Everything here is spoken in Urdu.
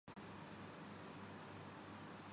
ان ق شکن لوگ کے سام حکومت کا قانون بھی بے بس نظر آتا ہے